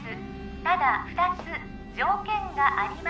ただ二つ条件があります